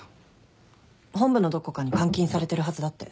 本部のどこかに監禁されてるはずだって。